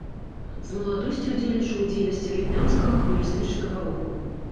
З маладосці ўдзельнічаў у дзейнасці в'етнамскага камуністычнага руху.